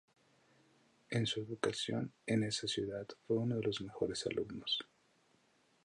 En su educación en esa ciudad fue uno de los mejores alumnos.